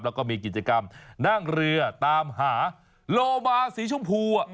แล้วก็มีกิจกรรมนั่งเรือตามหาโลมาสีชมพู